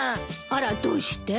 あらどうして？